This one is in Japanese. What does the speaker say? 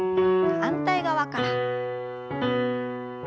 反対側から。